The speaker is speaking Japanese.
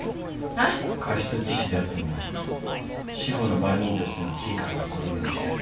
えっ？過失致死であっても司法の番人としての地位からは転げ落ちる。